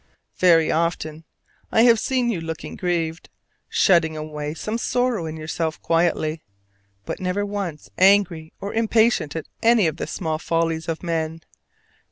Very often I have seen you looking grieved, shutting away some sorrow in yourself quietly: but never once angry or impatient at any of the small follies of men.